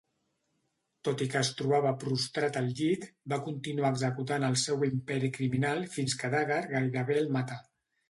Tot i que es trobava prostrat al llit, va continuar executant el seu imperi criminal fins que Dagger gairebé el mata.